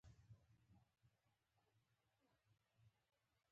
د هغه په را پورته کولو کې تلوار هم مه کوه.